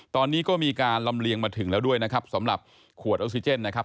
ตอนนี้ก็มีการลำเลียงมาถึงแล้วด้วยนะครับสำหรับขวดออกซิเจนนะครับ